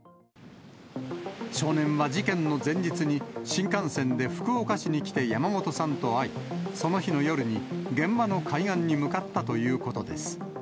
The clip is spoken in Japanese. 少年は事件の前日に、新幹線で福岡市に来て山本さんと会い、その日の夜に、現場の海岸に向かったということです。